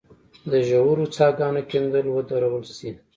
د ژورو څاه ګانو کیندل ودرول شي.